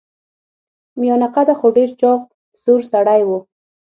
میانه قده خو ډیر چاغ سور سړی و.